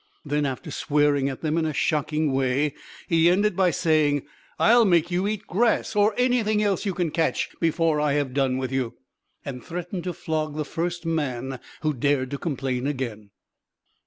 Then, after swearing at them in a shocking way, he ended by saying, "I'll make you eat grass, or anything else you can catch, before I have done with you," and threatened to flog the first man who dared to complain again.